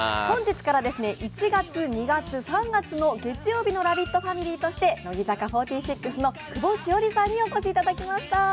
本日から１月、２月、３月の月曜日のラヴィットファミリーとして乃木坂４６の久保史緒里さんにお越しいただきました。